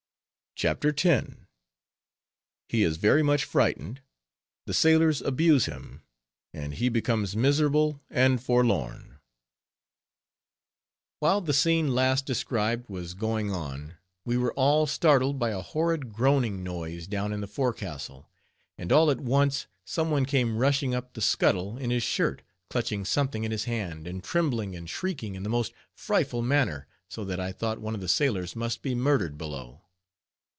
CHAPTER X. HE IS VERY MUCH FRIGHTENED; THE SAILORS ABUSE HIM; AND HE BECOMES MISERABLE AND FORLORN While the scene last described was going on, we were all startled by a horrid groaning noise down in the forecastle; and all at once some one came rushing up the scuttle in his shirt, clutching something in his hand, and trembling and shrieking in the most frightful manner, so that I thought one of the sailors must be murdered below.